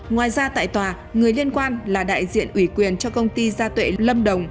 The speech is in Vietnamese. ngoài ra tại tòa người liên quan là đại diện ủy quyền cho công ty gia tuệ lâm đồng